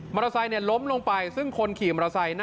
เตอร์ไซค์ล้มลงไปซึ่งคนขี่มอเตอร์ไซค์